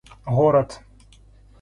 город